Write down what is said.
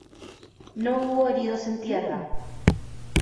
No hubo heridos en tierra.